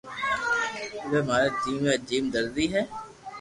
اووي ماري جيم را جيم درزي ھي